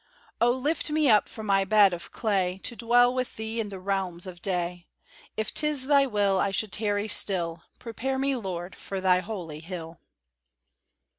O lift me up from my bed of clay, To dwell with Thee in the realms of day. If 'tis Thy will I should tarry still, Prepare me, Lord, for Thy Holy Hill.